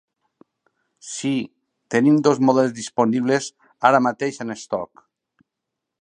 Sí, tenim dos models disponibles ara mateix en estoc.